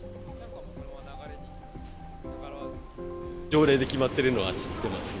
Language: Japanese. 条例で決まっているのは知ってます。